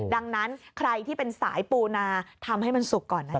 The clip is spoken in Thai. ดังนั้นใครที่เป็นสายปูนาทำให้มันสุกก่อนนะครับ